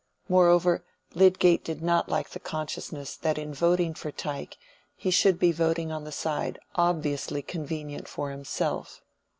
Moreover, Lydgate did not like the consciousness that in voting for Tyke he should be voting on the side obviously convenient for himself.